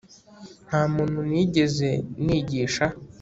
Nta muntu nigeze nigisha